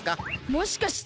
もしかして。